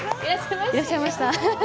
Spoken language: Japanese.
いらっしゃいました。